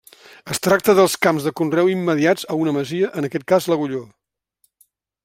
Es tracta dels camps de conreu immediats a una masia, en aquest cas l'Agulló.